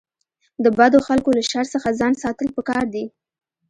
د بدو خلکو له شر څخه ځان ساتل پکار دي.